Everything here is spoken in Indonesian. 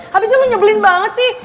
habisnya lo nyebelin banget sih